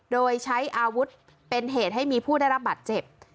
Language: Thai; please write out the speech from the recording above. โดยใช้อาวุธเป็นเหตุให้มีผู้ได้รับบัตรเจ็บ